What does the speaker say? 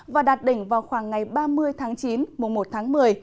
và đạt đỉnh vào khoảng ngày ba mươi tháng chín mùa một tháng một mươi